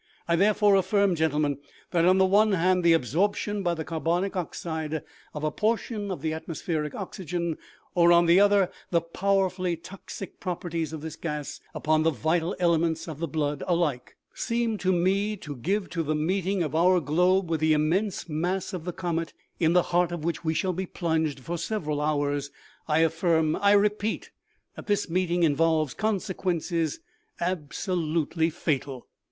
I therefore affirm, gentlemen, that, on the one hand, the absorption by the carbonic oxide of a portion of the atmospheric oxygen, or, on the other, the powerfully toxic properties of this gas upon the vital elements of the blood, alike seem to me to give to the meeting of our globe with the immense mass of the comet in the heart of which we shall be plunged for several hours I affirm, I repeat, that this meeting involves consequences abso lutely fatal.